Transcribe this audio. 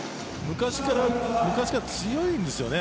昔から強いんですよね。